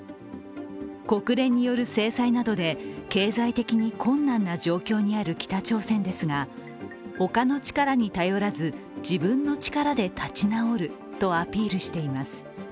国連による制裁などで経済的に困難な状況にある北朝鮮ですがほかの力に頼らず、自分の力で立ち直るとアピールしています。